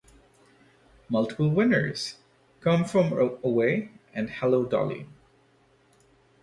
Multiple winners: "Come from Away" and "Hello, Dolly!